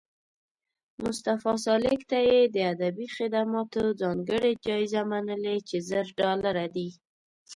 مصطفی سالک ته یې د ادبي خدماتو ځانګړې جایزه منلې چې زر ډالره دي